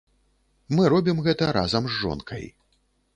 Мы робім гэта разам з жонкай.